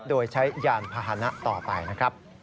โดยใช้ยานพาหนะต่อไปนะครับ